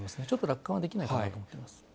ちょっと楽観はできないと僕は思っています。